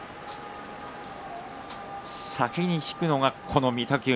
先にいくのは御嶽海